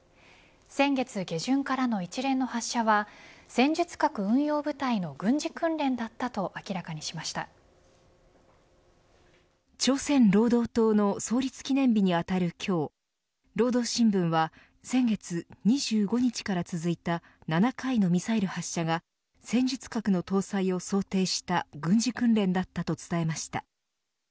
先月下旬からの一連の発射は戦術核運用部隊の軍事訓練だったと朝鮮労働党の創立記念日にあたる今日労働新聞は先月２５日から続いた７回のミサイル発射が戦術核の搭載を想定した軍事訓練だったと伝えました。